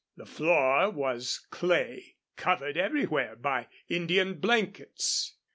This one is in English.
The floor was clay, covered everywhere by Indian blankets.